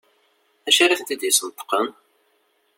D acu ara tent-id-yesneṭqen?